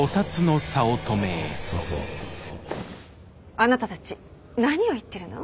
あなたたち何を言ってるの？